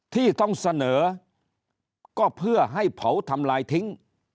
ที่ต้องเสนอก็เพื่อให้เผาทำลายทิ้ง